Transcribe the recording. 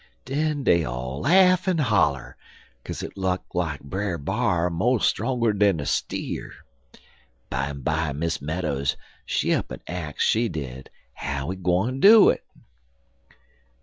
"Den dey all laff en holler, kaze it look like Brer B'ar mo' stronger dan a steer. Bimeby, Miss Meadows, she up'n ax, she did, how he gwine do it.